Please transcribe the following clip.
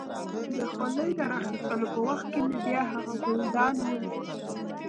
د خولۍ د را اخيستو په وخت کې مې بیا هغه ګلدان ولید.